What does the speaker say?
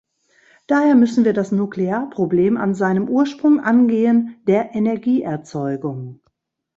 Daher müssen wir das Nuklearproblem an seinem Ursprung angehen, der Energieerzeugung.